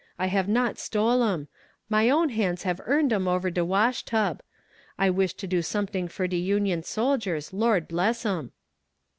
I have not stole 'em. My own hands have earned 'em over de washtub. I wish to do something for de Union soldiers, Lord bless 'em!"